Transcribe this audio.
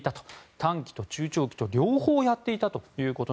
短期と中長期と両方やっていたと。